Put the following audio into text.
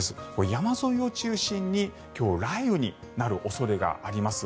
山沿いを中心に今日雷雨になる恐れがあります。